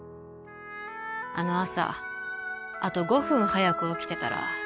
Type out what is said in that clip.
あの朝あと５分早く起きてたら